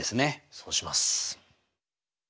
そうします。